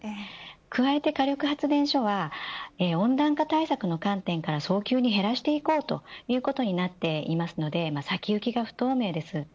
加えて火力発電所は温暖化対策の観点から早急に減らしていこうということになっているので先行きが不透明です。